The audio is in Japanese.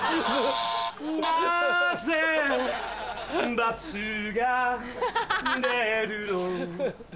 なぜ「×」が出るの